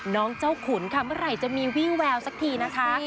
น้องเจ้าขุนค่ะเมื่อไหร่จะมีวี่แววสักทีนะคะ